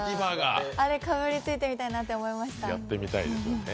あれ、かぶりついてみたいなと思いました。